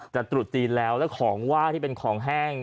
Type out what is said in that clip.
ตรุษจีนแล้วแล้วของว่าที่เป็นของแห้ง